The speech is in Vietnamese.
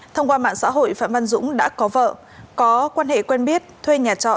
thông qua mạng xã hội phạm văn dũng đã có vợ có quan hệ quen biết thuê nhà trọ